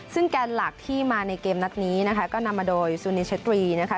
ซึ่งแกนหลักที่มาในเกมนัดนี้นะคะก็นำมาโดยซูนิเชตรีนะคะ